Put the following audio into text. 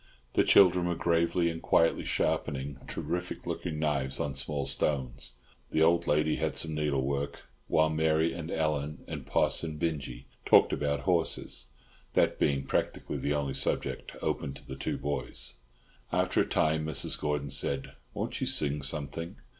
The children were gravely and quietly sharpening terrific looking knives on small stones; the old lady had some needlework; while Mary and Ellen and Poss and Binjie talked about horses, that being practically the only subject open to the two boys. After a time Mrs. Gordon said, "Won't you sing something?"